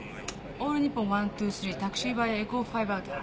オールニッポン１２３タクシーバイアエコー５アウター。